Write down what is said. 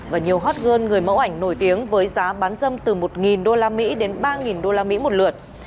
và nhiều hot girl người mẫu ảnh nổi tiếng với giá bán dâm từ một usd đến ba usd một lượt